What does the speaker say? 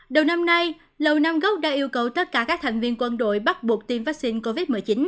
đầu năm nay lầu nam góc đã yêu cầu tất cả các thành viên quân đội bắt buộc tiêm vaccine covid một mươi chín